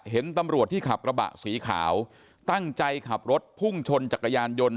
เห็นตำรวจที่ขับกระบะสีขาวตั้งใจขับรถพุ่งชนจักรยานยนต์